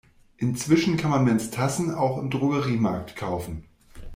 Inzwischen kann man Menstassen auch im Drogeriemarkt kaufen.